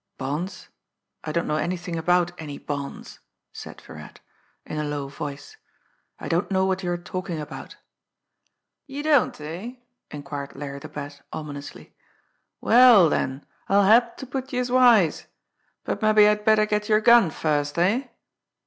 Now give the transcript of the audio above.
"Bonds! I don't know anything about any bonds," said Virat, in a low voice. "I don't know what you are talking about.' "You don't eh?" inquired Larry the Bat ominously. "Well den, I'll help ter put youse wise. But mabbe I'd better get yer gun first, eh?"